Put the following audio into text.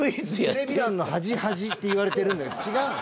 テレビ欄の端端って言われてるんだけど違うの。